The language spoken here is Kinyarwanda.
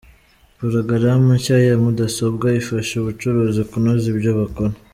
Porogaramu nshya ya mudasobwa ifasha abacuruzi kunoza ibyo bakora